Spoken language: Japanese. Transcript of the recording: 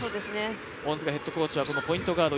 恩塚ヘッドコーチはポイントガード